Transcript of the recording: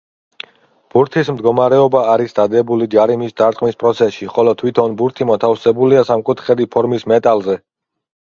ბურთის მდგომარეობა არის დადებული ჯარიმის დარტყმის პროცესში, ხოლო თვითონ ბურთი მოთავსებულია სამკუთხედი ფორმის მეტალზე.